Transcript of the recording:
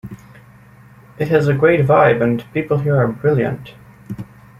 It has a great vibe and the people here are brilliant.